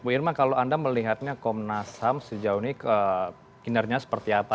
bu irma kalau anda melihatnya komnas ham sejauh ini kinerjanya seperti apa